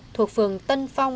thuộc phường tân phong